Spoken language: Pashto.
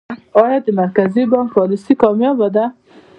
آیا د مرکزي بانک پالیسي کامیابه ده؟